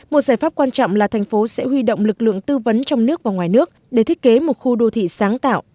một giải pháp quan trọng là thành phố sẽ huy động lực lượng tư vấn trong nước và ngoài nước để thiết kế một khu đô thị sáng tạo